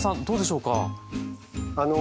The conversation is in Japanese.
どうでしょうか？